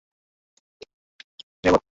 সুসংবাদ শোন, আমাদের নবী জীবিত এবং নিরাপদ।